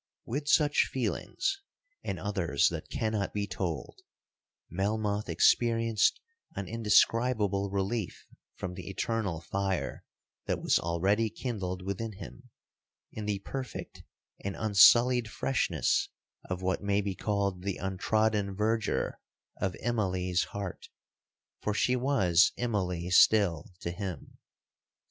'With such feelings, and others that cannot be told, Melmoth experienced an indescribable relief from the eternal fire that was already kindled within him, in the perfect and unsullied freshness of what may be called the untrodden verdure of Immalee's heart,—for she was Immalee still to him.